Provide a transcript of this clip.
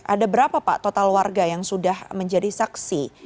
ada berapa pak total warga yang sudah menjadi saksi